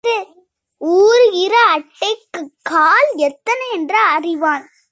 ஊருகிற அட்டைக்குக் கால் எத்தனை என்று அறிவான்.